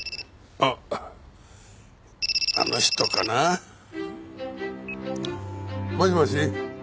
あっあの人かな？もしもし？